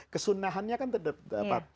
kesunnahannya kan terdapat